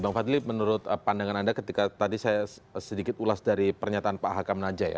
bang fadli menurut pandangan anda ketika tadi saya sedikit ulas dari pernyataan pak hakam naja ya